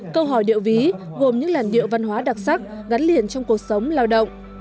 câu hỏi điệu ví gồm những làn điệu văn hóa đặc sắc gắn liền trong cuộc sống lao động